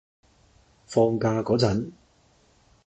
放假嗰陣